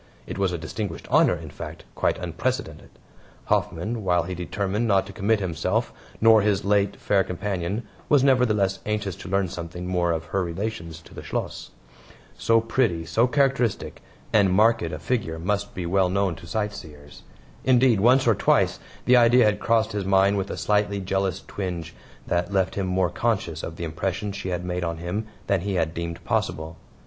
It was a distinguished honor in fact, quite unprecedented. Hoffman, while he determined not to commit himself, nor his late fair companion, was nevertheless anxious to learn something more of her relations to the Schloss. So pretty, so characteristic, and marked a figure must be well known to sightseers. Indeed, once or twice the idea had crossed his mind with a slightly jealous twinge that left him more conscious of the impression she had made on him than he had deemed possible.